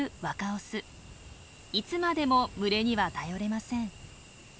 いつまでも群れには頼れません。